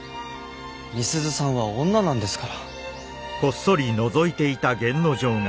美鈴さんは女なんですから。